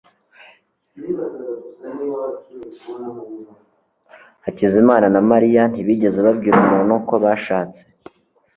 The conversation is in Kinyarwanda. Hakizamana na Mariya ntibigeze babwira umuntu ko bashatse